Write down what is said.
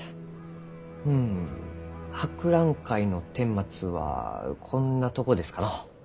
うん博覧会のてんまつはこんなとこですかのう。